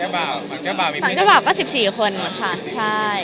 ๓๔เพาะคนเรียนเพื่อการเสร็จ